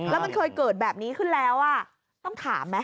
แล้วมันเคยเกิดแบบนี้ขึ้นแล้วต้องถามไหม